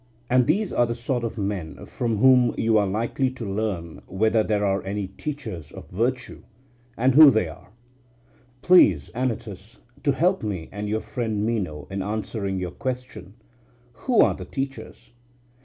And these are the sort of men from whom you are likely to learn whether there are any teachers of virtue, and who they are. Please, Anytus, to help me and your friend Meno in answering our question, Who are the teachers?